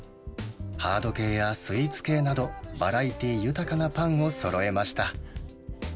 ハード系やスイーツ系など、バラエティー豊かなパンをそろえました。